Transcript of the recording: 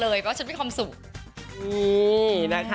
เพราะฉันมีความสุข